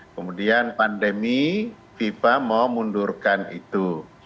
kemudian pandemi fifa mau mundurkan itu